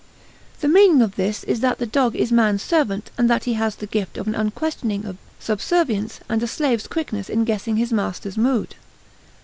The meaning of this is that the dog is man's servant and that he has the gift of an unquestioning subservience and a slave's quickness in guessing his master's mood.